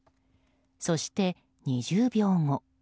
そして、２０秒後。